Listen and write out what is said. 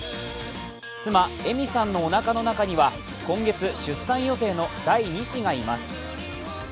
妻、恵美さんのおなかの中には今月出産予定の第２子街増す。